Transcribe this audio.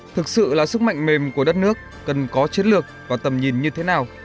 thực sự là sức mạnh mềm của đất nước cần có chiến lược và tầm nhìn như thế nào